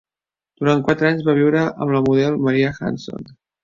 Durant quatre anys va viure amb la model Maria Hanson.